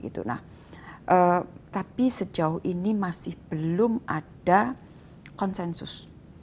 tapi sejauh ini masih belum ada konsensus